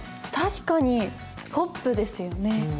確かにポップですよね。